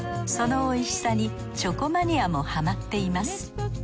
その美味しさにチョコマニアもハマっています。